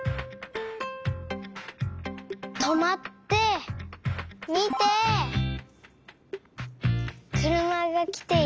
とまってみてくるまがきていたらまつ！